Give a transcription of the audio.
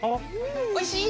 おいしい？